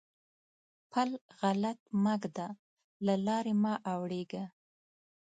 پل غلط مه ږده؛ له لارې مه اوړېږه.